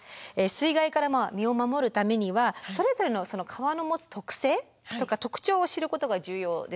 水害から身を守るためにはそれぞれの川の持つ特性とか特徴を知ることが重要ですよね。